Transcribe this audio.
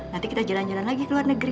nanti kita jalan jalan lagi ke luar negeri